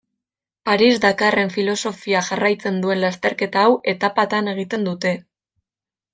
Paris-Dakarren filosofia jarraitzen duen lasterketa hau etapatan egiten dute.